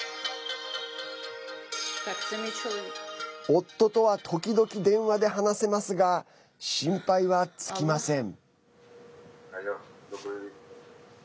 夫とは時々、電話で話せますが心配は尽きません。